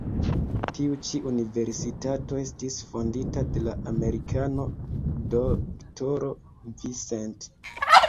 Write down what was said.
Tiu ĉi universitato estis fondita de la Amerikano D-ro Vincent.